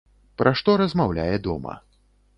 Пра што размаўляе дома.